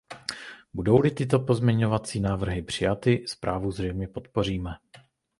Budou-li tyto pozměňovací návrhy přijaty, zprávu zřejmě podpoříme.